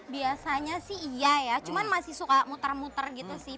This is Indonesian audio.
biasanya sih iya ya cuman masih suka muter muter gitu sih